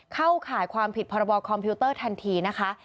เข้าข่ายความผิดพรบคอมพิวเตอร์ทันทีนะคะ